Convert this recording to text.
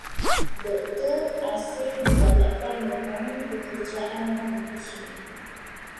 Doktor asing digalakkan memohon pekerjaan di Malaysia.